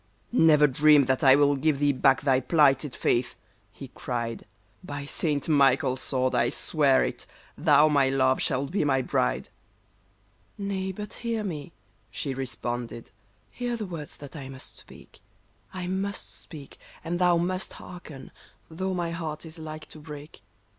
'' Never dream that I will give thee back thy plighted faith, he cried, " By St. Michael's sword I swear it, thou, my love, shalt be my bride !"*' Nay, but hear me," she responded ;" hear the words that I must speak ; I must speak, and thou must hearken, though my heart is like to break.